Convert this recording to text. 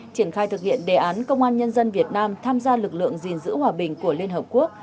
triển khai thực hiện đề án công an nhân dân việt nam tham gia lực lượng gìn giữ hòa bình của liên hợp quốc